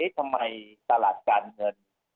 ทำไมตลาดการเงิน